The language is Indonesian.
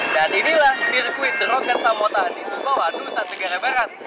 dan inilah sirkuit roket samota di sembawa nusa tenggara barat